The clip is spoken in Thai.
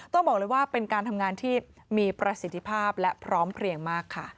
ต้องบอกเลยว่าเป็นการทำงานที่มีประสิทธิภาพและพร้อมเพลียงมากค่ะ